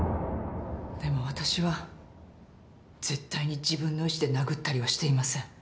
でも私は絶対に自分の意志で殴ったりはしていません。